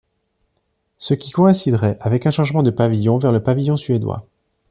Ce qui coïnciderait avec un changement de pavillon vers le pavillon suédois.